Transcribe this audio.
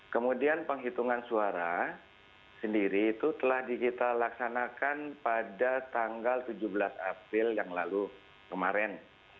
kemudian penghitungan suara sendiri itu telah kita laksanakan pada tanggal tujuh belas april yang lalu kemarin